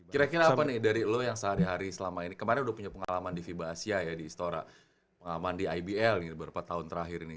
kira kira apa nih dari lo yang sehari hari selama ini kemarin udah punya pengalaman di fiba asia ya di istora pengalaman di ibl ini beberapa tahun terakhir ini